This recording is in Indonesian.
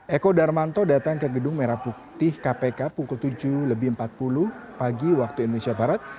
eko darmanto datang ke gedung merah putih kpk pukul tujuh lebih empat puluh pagi waktu indonesia barat